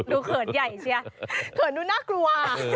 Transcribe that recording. เขินใหญ่เชียเขินดูน่ากลัว